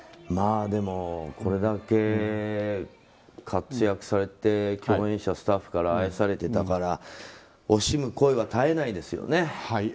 これだけ活躍されて共演者、スタッフから愛されてたから惜しむ声は絶えないですよね。